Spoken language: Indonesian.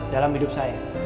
dalam hidup saya